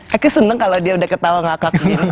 aku senang kalau dia sudah ketawa ngakak gini